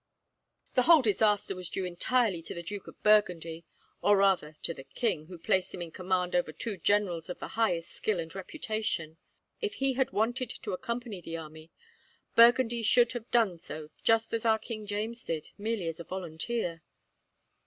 "The whole disaster was due entirely to the Duke of Burgundy, or rather to the king, who placed him in command over two generals of the highest skill and reputation. If he had wanted to accompany the army, Burgundy should have done so just as our King James did, merely as a volunteer.